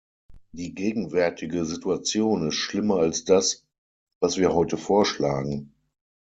Die gegenwärtige Situation ist schlimmer als das, was wir heute vorschlagen.